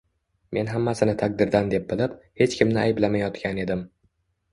Men hammasini taqdirdan deb bilib, hech kimni ayblamayotgan edim